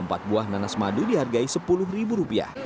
empat buah nanas madu dihargai sepuluh rupiah